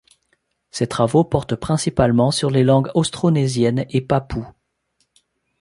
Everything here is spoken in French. Ses travaux portent principalement sur les langues austronésiennes et papoues.